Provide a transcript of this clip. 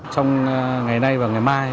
trong ngày nay và ngày mai